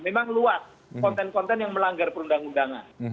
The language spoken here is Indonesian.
memang luas konten konten yang melanggar perundang undangan